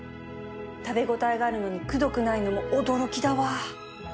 食べ応えがあるのにくどくないのも驚きだわ